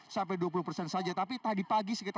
yang taat kondisi benta